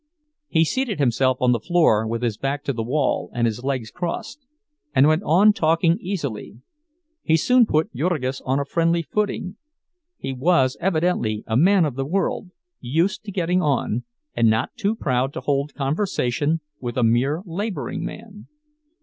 He seated himself on the floor with his back to the wall and his legs crossed, and went on talking easily; he soon put Jurgis on a friendly footing—he was evidently a man of the world, used to getting on, and not too proud to hold conversation with a mere laboring man.